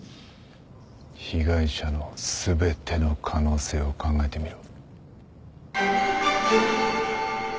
被害者の全ての可能性を考えてみろ。